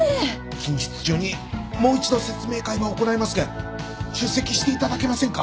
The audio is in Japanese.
近日中にもう一度説明会ば行いますけん出席していただけませんか？